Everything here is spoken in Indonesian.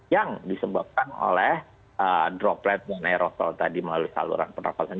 yang disebabkan oleh droplet dan aerosol tadi melalui saluran pernafasan